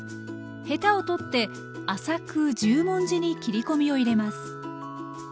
ヘタを取って浅く十文字に切り込みを入れます。